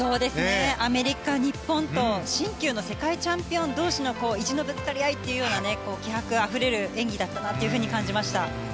アメリカ、日本と新旧の世界チャンピオン同士の意地のぶつかり合いというような気迫あふれる演技だったなと感じました。